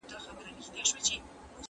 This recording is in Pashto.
ځینې خلګ کروندګر او مالدار دي.